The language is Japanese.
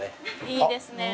いいですね。